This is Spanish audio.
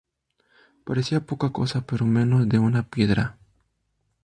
Parecía poca cosa, pero menos da una piedra